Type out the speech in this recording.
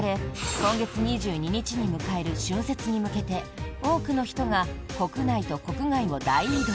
今月２２日に迎える春節に向けて多くの人が国内と国外を大移動。